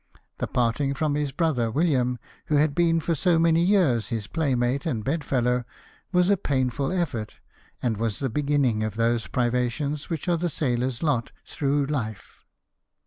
The parting from his brother William, who had been for so many years his playmate and bed fellow, was a painful effort, and was the beginning of those privations which are the sailor's lot through life.